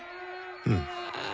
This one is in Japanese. うん。